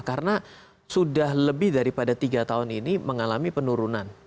karena sudah lebih daripada tiga tahun ini mengalami penurunan